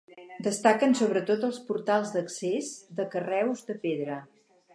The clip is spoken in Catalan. Destaquen, sobretot, els portals d'accés de carreus de pedra.